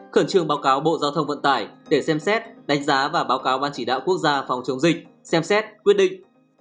khẩn trương báo cáo bộ giao thông vận tải để xem xét đánh giá và báo cáo ban chỉ đạo quốc gia phòng chống dịch xem xét quyết định